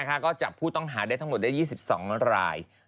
ก็จับผู้ต้องหาได้ทั้งหมดได้๒๒ราย